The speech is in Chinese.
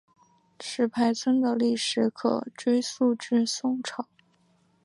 石牌村的历史可追溯至宋朝。